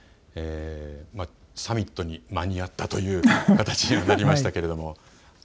サミットに間に合ったという形にはなりましたけれども。